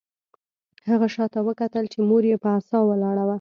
هغه شاته وکتل چې مور یې په عصا ولاړه وه